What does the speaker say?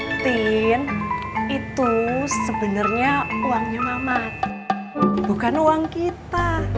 eee tin itu sebenernya uangnya mamat bukan uang kita